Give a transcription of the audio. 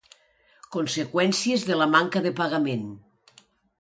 Conseqüències de la manca de pagament.